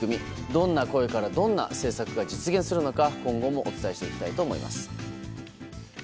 どんな声からどんな政策が実現するのか今後もお伝えしていきたいと思います。